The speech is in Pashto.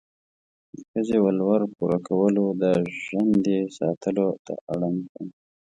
د ښځې ولور پوره کولو، د ژندې ساتلو ته اړ کړم.